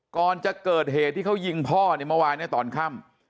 ก่อนจะเกิดเหตุที่เขายิงพ่อเนี่ยเมื่อวานเนี่ยตอนค่ำ